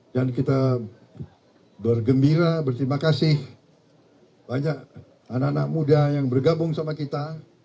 dan kita bergembira berterima kasih banyak anak anak muda yang bergabung sama kita